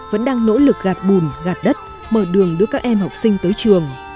vẫn đang nỗ lực gạt bùn gạt đất mở đường đưa các em học sinh tới trường